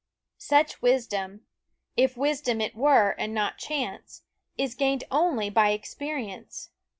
Such wisdom, if wisdom it were and not chance, is gained only by experience.